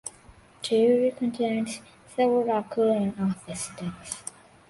The area contains several lockers and office desks.